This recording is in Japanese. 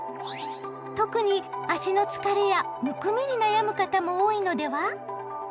特に足の疲れやむくみに悩む方も多いのでは？